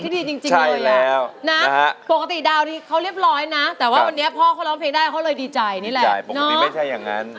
ดีใจนี่แหละปกติไม่ใช่อย่างนั้น